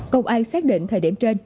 công an xác định thời điểm trên